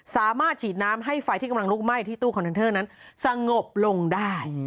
สามารถฉีดน้ำให้ไฟที่กำลังลุกไหม้ที่ตู้คอนเทนเตอร์นั้นสงบลงได้